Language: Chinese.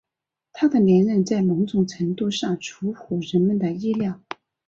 他的连任在某种程度上出乎人们的意料。